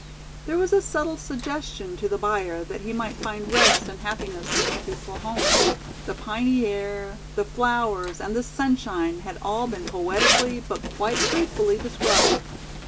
There was a subtle suggestion to the buyer that he might find rest and happiness in this peaceful home. The piney air, the flowers and the sunshine had all been poetically but quite truthfully described.